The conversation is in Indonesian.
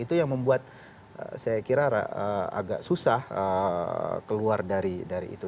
itu yang membuat saya kira agak susah keluar dari itu